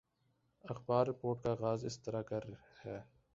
اخبار رپورٹ کا آغاز اس طرح کر ہے